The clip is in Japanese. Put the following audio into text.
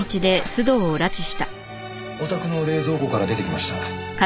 お宅の冷蔵庫から出てきました。